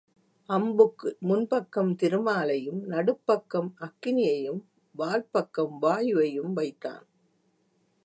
அம்புக்கு முன் பக்கம் திருமாலையும், நடுப்பக்கம் அக்கினியையும், வால் பக்கம் வாயுவையும் வைத்தான்.